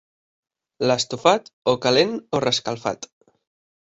L'estofat, o calent o reescalfat.